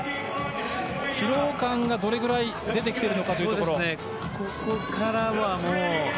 疲労感がどのくらい出てきているのかというところ。